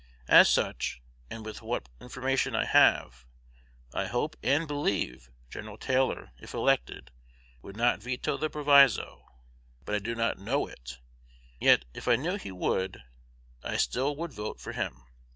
As such, and with what information I have, I hope and believe Gen. Taylor, if elected, would not veto the proviso; but I do not know it. Yet, if I knew he would, I still would vote for him.